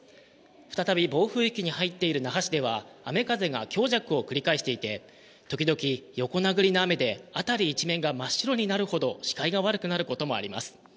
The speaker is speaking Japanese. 再び暴風域に入っている那覇市では雨風が強弱を繰り返していて時々、横殴りの雨で辺り一面が真っ白になるほど視界が悪くなることもあります。